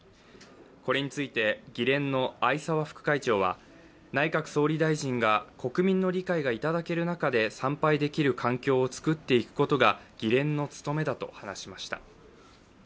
これについて議連の逢沢副会長は内閣総理大臣が国民の理解がいただける中で参拝できる環境を作っていくことが議連の務めだと話しました。